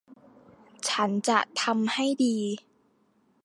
ฉันจะทำให้ดี